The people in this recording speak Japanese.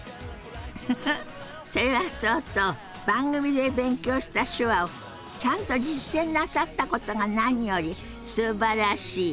フフフそれはそうと番組で勉強した手話をちゃんと実践なさったことが何よりすばらしい！